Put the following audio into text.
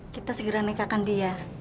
kita segera menikahkan dia